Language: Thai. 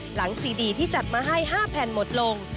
หลังซีดีที่จัดมาให้๕แผ่นหมดลง